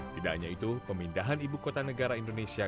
tidak hanya itu pemindahan ibu kota negara indonesia